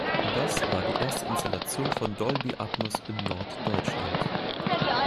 Das war die erste Installation von Dolby Atmos in Norddeutschland.